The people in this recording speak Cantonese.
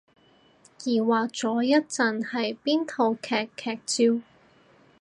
疑惑咗一陣係邊套戲劇照